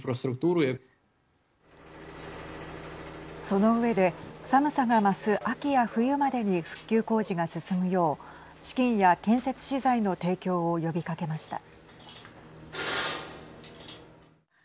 その上で、寒さが増す秋や冬までに復旧工事が進むよう資金や建設資材の提供を呼びかけました。